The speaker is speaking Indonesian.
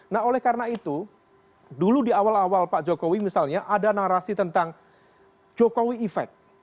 nah oleh karena itu dulu di awal awal pak jokowi misalnya ada narasi tentang jokowi effect